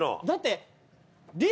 だって。